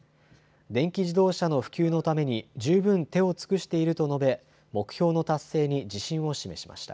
電気自動車の普及のために十分手を尽くしていると述べ目標の達成に自信を示しました。